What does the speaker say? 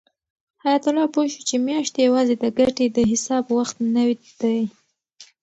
حیات الله پوه شو چې میاشتې یوازې د ګټې د حساب وخت نه دی.